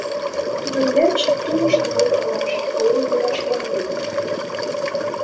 Тудын верч тулыш-вӱдыш пураш, колен возаш ямде улат.